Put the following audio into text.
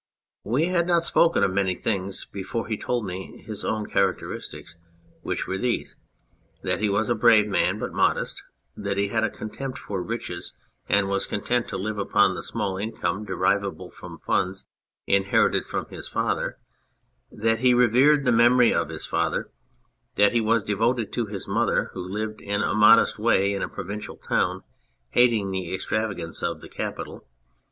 We had not spoken of many things before he told me his own characteristics, which were these : that he was a brave man but modest ; that he had a con tempt for riches, and was content to live upon the small income derivable from funds inherited from his father ; that he revered the memory of his father; that he was devoted to his mother, \vho lived in a modest way in a provincial town, hating the extravagance of the capital.